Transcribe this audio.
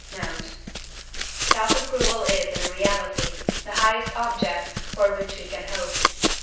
Note. Self approval is in reality the highest object for which we can hope.